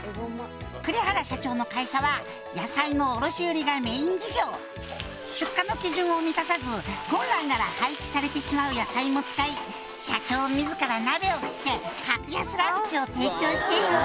「栗原社長の会社は野菜の卸売がメイン事業」「出荷の基準を満たさず本来なら廃棄されてしまう野菜も使い社長自ら鍋を振って格安ランチを提供している」